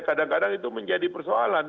kadang kadang itu menjadi persoalan